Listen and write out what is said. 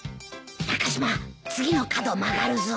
中島次の角曲がるぞ。